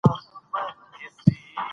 استاد چې معلومات یې ورکړل، بسم الله خان وو.